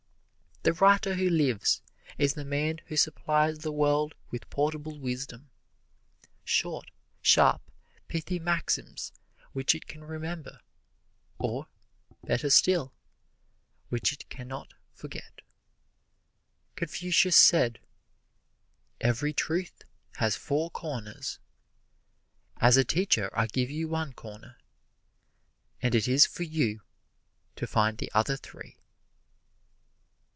The writer who lives is the man who supplies the world with portable wisdom short, sharp, pithy maxims which it can remember, or, better still, which it can not forget. Confucius said, "Every truth has four corners: as a teacher I give you one corner, and it is for you to find the other three."